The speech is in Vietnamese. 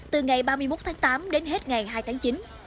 từ ngày ba mươi một tháng tám đến hết ngày hai tháng chín